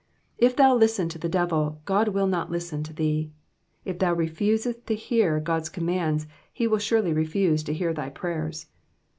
If thou listen to the devil, God will not listen to thee. If thou refusest to hear God's commands, ho will surely refuse to hear thy prayers.